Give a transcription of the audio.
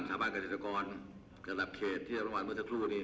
สามารถในเศรษฐกรกระดาบเขตที่รังวัลเมื่อสักครู่นี้